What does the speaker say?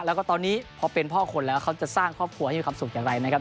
แล้วก็ตอนนี้พอเป็นพ่อคนแล้วเขาจะสร้างครอบครัวให้มีความสุขอย่างไรนะครับ